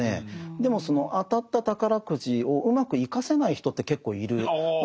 でもその当たった宝くじをうまく生かせない人って結構いるわけですよね。